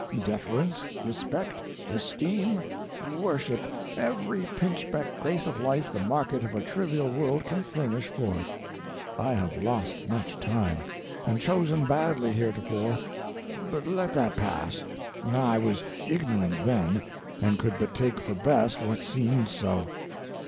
deference, respect, esteem, worship every pinchbeck grace of life the market of a trivial world can furnish forth. I have lost much time, and chosen badly heretofore, but let that pass; I was ignorant then, and could but take for best what seemed so."